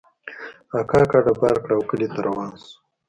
اکا کډه بار کړه او کلي ته روان سو.